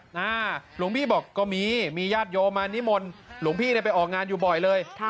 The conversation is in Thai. หลวงพี่ได้ไปออกงานอยู่บ่อยเลย